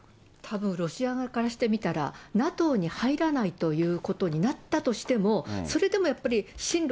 たぶん、ロシア側からしてみたら、ＮＡＴＯに入らないということになったとしても、それでもやっぱり親